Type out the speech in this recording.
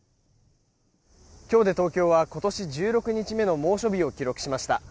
今日で東京は今年１６日目の猛暑日を記録しました。